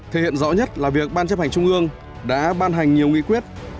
thể hiện rõ nhất là việc ban chấp hành trung ương đã ban hành nhiều nghị quyết